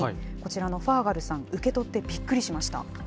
こちらのファーガルさん、受け取ってびっくりしました。